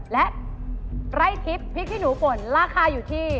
และไล่ทิปพริกขี้หนูป่นราคาอยู่ที่